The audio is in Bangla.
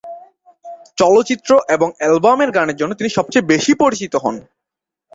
চলচ্চিত্র এবং অ্যালবামের গানের জন্য তিনি সবচেয়ে বেশি পরিচিত হন।